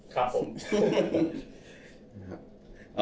ครับผม